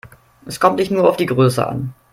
Es kommt nicht nur auf die Größe an.